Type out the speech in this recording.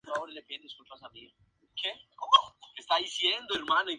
Algunas partes son digitales, pero intentando que no se note en el resultado final.